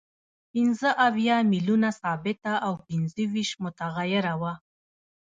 پنځه اویا میلیونه ثابته او پنځه ویشت متغیره وه